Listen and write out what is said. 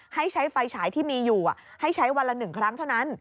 ให้ใช้ไฟฉายที่มีอยู่ให้ใช้วันละ๑ครั้งเท่านั้น